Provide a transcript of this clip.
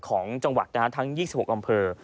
ของจังหวัดทั้ง๒๖อำเภอ